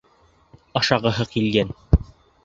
— Ашағыһы килгән.